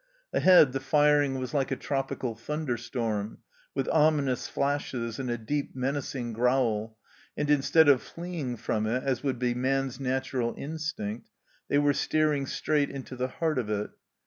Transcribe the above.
Ahead the firing was like a tropical thunderstorm, with ominous flashes and a deep, menacing growl, and instead of fleeing from it, as would be man's natural instinct, they were steering straight into the heart of it.